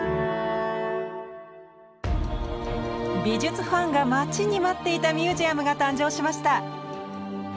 美術ファンが待ちに待っていたミュージアムが誕生しました。